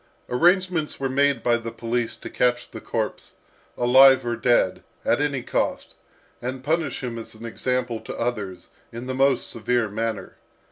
Arrangements were made by the police to catch the corpse, alive or dead, at any cost, and punish him as an example to others, in the most severe manner.